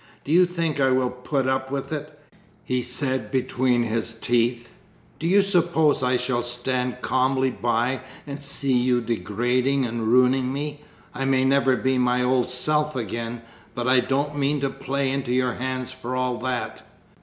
"Do you think I will put up with it?" he said, between his teeth. "Do you suppose I shall stand calmly by and see you degrading and ruining me? I may never be my old self again, but I don't mean to play into your hands for all that.